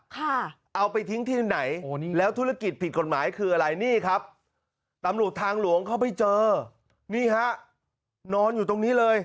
ค่ะเอาไปทิ้งที่ไหนโอ้นี่แล้วธุรกิจผิดกฎหมายคืออะไรนี่ครับตำรวจทางหลวงเข้าไปเจอนี่ฮะนอนอยู่ตรงนี้เลย